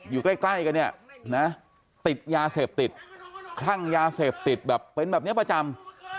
อยู่ใกล้กันเนี่ยนะติดยาเสพติดคลั่งยาเสพติดแบบเป็นแบบนี้ประจำ